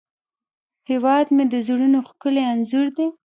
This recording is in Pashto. هیواد مې د زړونو ښکلی انځور دی